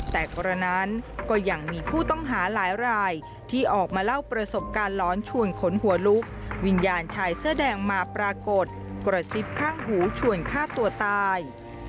แต่ก่อนนั้นก็ยังมีผู้ต้องหาหลายรายที่ออกมาเล่าประสบการณ์หลอนชวนขนหัวลุกวิญญาณชายเสื้อแดงมาปรากฏกระซิบข้างหูชวนฆ่าตัวตาย